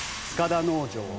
塚田農場